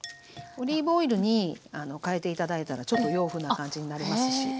オリーブオイルに変えて頂いたらちょっと洋風な感じになりますし。